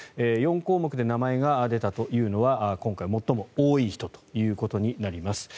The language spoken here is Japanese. ４項目で名前が出たというのは今回、最も多い人となります。